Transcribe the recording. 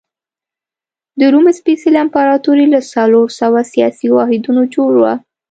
د روم سپېڅلې امپراتوري له څلور سوه سیاسي واحدونو جوړه وه.